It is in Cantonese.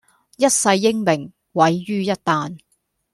一世英名毀於一旦